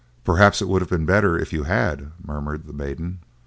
"Perhaps it would have been better for you if you had," murmured the maiden.